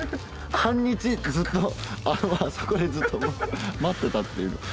半日ずっとあそこでずっと待ってたっていう。